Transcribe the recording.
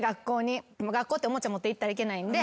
学校っておもちゃ持っていったらいけないんで。